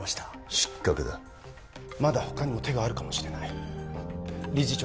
失格だまだほかにも手があるかもしれない理事長